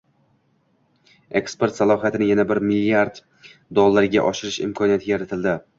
eksport salohiyatini yana bir milliard dollarga oshirish imkoniyati yaratiladi.